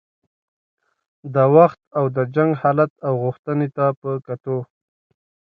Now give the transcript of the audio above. د وخت او د جنګ حالت او غوښتنې ته په کتو.